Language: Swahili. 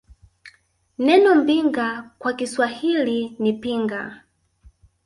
Neno Mbinga kwa Kiswahili ni Pinga